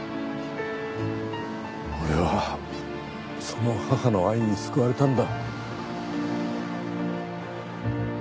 俺はその母の愛に救われたんだ。